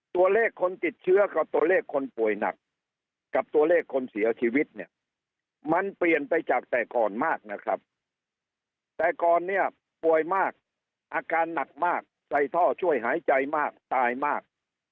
ตัวเลขคนติดเชื้อกับตัวเลขคนป่วยหนักกับตัวเลขคนเสียชีวิตเนี่ยมันเปลี่ยนไปจากแต่ก่อนมากนะครับแต่ก่อนเนี่ยป่วยมากอาการหนักมากใส่ท่อช่วยหายใจมากตายมาก